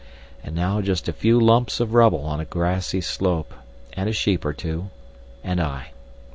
And now just a few lumps of rubble on a grassy slope, and a sheep or two—and I.